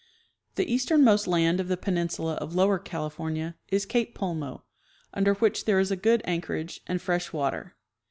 The easternmost land of the peninsula of Lower California is cape Pulmo, under which there is a goocj anchorage and fresh water.